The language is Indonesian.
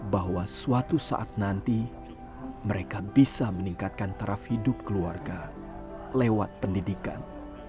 bahwa suatu saat nanti mereka bisa meningkatkan taraf hidup keluarga lewat pendidikan